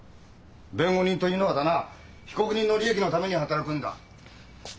弁護人というのはだな被告人の利益のために働くんだ。